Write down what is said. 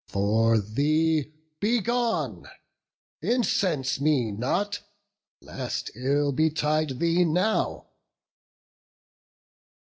For thee, begone! Incense me not, lest ill betide thee now."